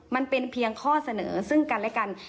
มันเป็นเพียงข้อเสนอซึ่งกันและกัน